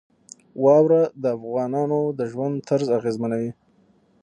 واوره د افغانانو د ژوند طرز اغېزمنوي.